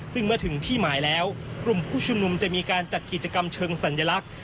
ซึ่งเมื่อถึงที่หมายแล้วกลุ่มผู้ชุมนุมจะมีการจัดกิจกรรมเชิงสัญลักษณ์